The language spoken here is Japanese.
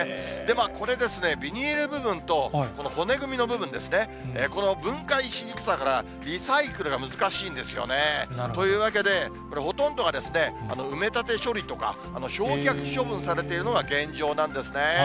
これですね、ビニール部分と、骨組みの部分ですね、この分解しにくさから、リサイクルが難しいんですよね。というわけで、これ、ほとんどが埋め立て処理とか、焼却処分されているのが現状なんですね。